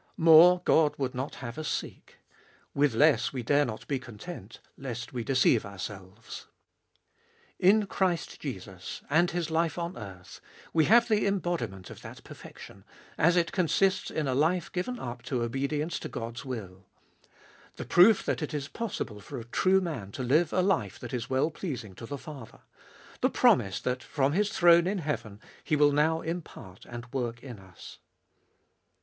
More God would not have us seek ; with less, we dare not be content, lest we deceive ourselves. In Christ Jesus, and His life on earth, we have the embodi ment of that perfection, as it consists in a life given up to obedience to God's will ; the proof that it is possible for a true man to live a life that is well pleasing to the Father ; the promise that from His throne in heaven He will now impart and work in us.